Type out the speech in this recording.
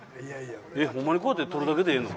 ホンマにこうやって取るだけでええの？